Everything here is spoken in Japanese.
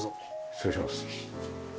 失礼します。